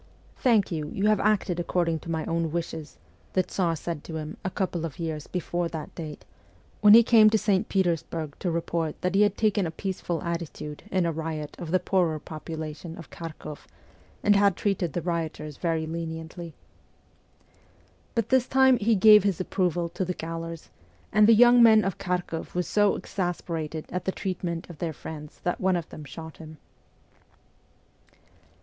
' Thank you ; you have acted according to my own wishes,' the Tsar said to him, a couple of years before that date, when he came to St. Petersburg to report that he had taken a peaceful attitude in a riot of the poorer population of Kharkoff, and had treated the rioters very leniently. But this time he gave his approval to the gaolers, and the young men of Kharkoff were so exasperated at the treatment of their friends that one of them shot him.